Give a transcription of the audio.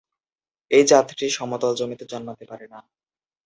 এই জাতটি সমতল জমিতে জন্মাতে পারে না।